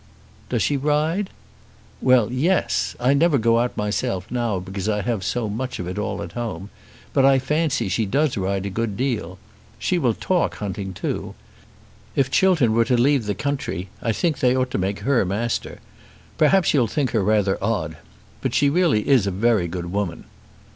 "Does she ride?" "Well; yes. I never go out myself now because I have so much of it all at home. But I fancy she does ride a good deal. She will talk hunting too. If Chiltern were to leave the country I think they ought to make her master. Perhaps you'll think her rather odd; but really she is a very good woman."